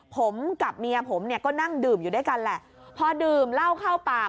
ผมกับเมียผมเนี่ยก็นั่งดื่มอยู่ด้วยกันแหละพอดื่มเหล้าเข้าปาก